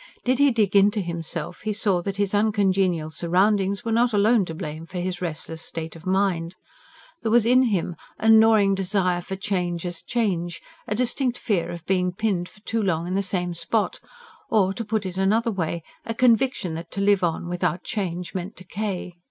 Did he dig into himself, he saw that his uncongenial surroundings were not alone to blame for his restless state of mind. There was in him a gnawing desire for change as change; a distinct fear of being pinned for too long to the same spot; or, to put it another way, a conviction that to live on without change meant decay.